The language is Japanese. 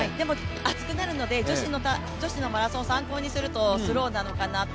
暑くなるので、女子のマラソンを参考にするとスローなのかなと。